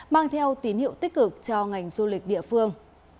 mang theo tín hiệu tích cực cho ngành du lịch địa phương